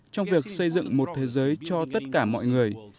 trong việc xây dựng một thế giới cho tất cả mọi người